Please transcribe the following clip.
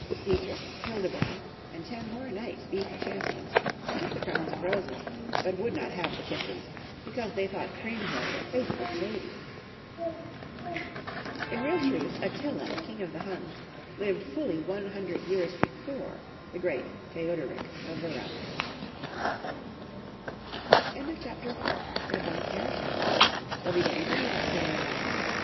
Dietrich, Hildebrand, and ten more knights beat her champions, and took the crowns of roses, but would not have the kisses, because they thought Chriemhild a faithless lady ! In real truth, Attila, king of the Huns, lived fully one hundred yeai's before the great Theude rick of Verona. CHAPTER V. THE FRANKS.